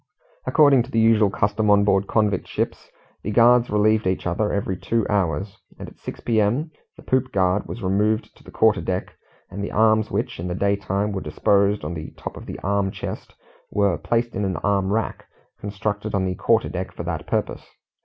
According to the usual custom on board convict ships, the guards relieved each other every two hours, and at six p.m. the poop guard was removed to the quarter deck, and the arms which, in the daytime, were disposed on the top of the arm chest, were placed in an arm rack constructed on the quarter deck for that purpose.